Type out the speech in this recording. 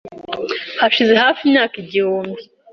hashize hafi imyaka igihumbi